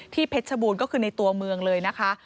ที่เพชรบูนก็คือในตัวเมืองเลยนะคะ